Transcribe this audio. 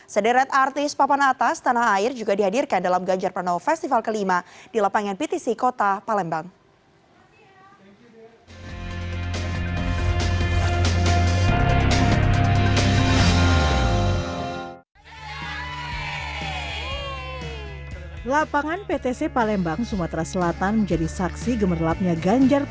sederet artis papanatas tanah air juga dihadirkan dalam ganjar pranowo festival kelima di lapangan ptc kota palembang